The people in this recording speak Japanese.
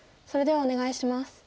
それではお願いします。